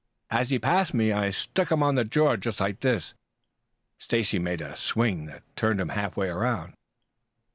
"As he passed me I struck him on the jaw just like this." Stacy made a swing that turned him half way around.